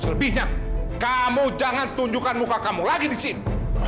selebihnya kamu jangan tunjukkan muka kamu lagi di sini